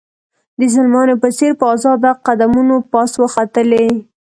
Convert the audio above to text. د زلمیانو په څېر په آزاده قدمونو پاس وختلې.